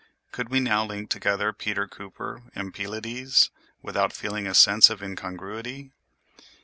Could we now link together Peter Cooper and Pylades, without feeling a sense of incongruity?